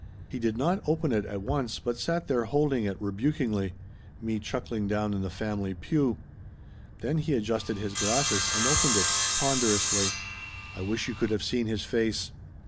He did not open it at once but sat there holding it rebukingly me chuckling down in the family pew. Then he adjusted his glasses and opened it ponderously. I wish you could have seen his face!